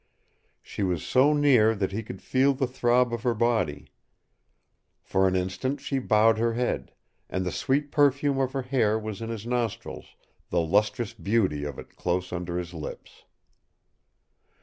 She was so near that he could feel the throb of her body. For an instant she bowed her head, and the sweet perfume of her hair was in his nostrils, the lustrous beauty of it close under his lips.